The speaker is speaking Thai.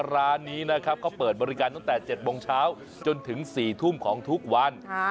ร้านนี้นะครับเขาเปิดบริการตั้งแต่๗โมงเช้าจนถึง๔ทุ่มของทุกวัน